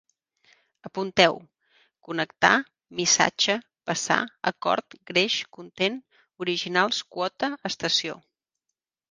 Apunteu: connectar, missatge, passar, acord, greix, content, originals, quota, estació